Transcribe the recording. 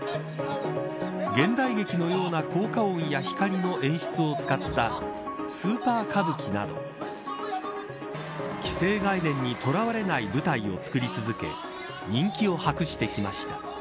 現代劇のような効果音や光の演出を使ったスーパー歌舞伎など既成概念にとらわれない舞台をつくり続け人気を博してきました。